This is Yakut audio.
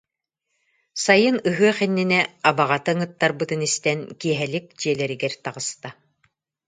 Сайын ыһыах иннинэ абаҕата ыҥыттарбытын истэн, киэһэлик дьиэлэригэр таҕыста